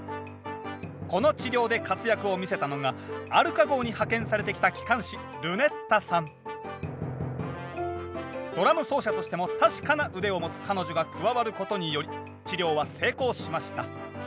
この治療で活躍を見せたのがアルカ号に派遣されてきたドラム奏者としても確かな腕を持つ彼女が加わることにより治療は成功しました。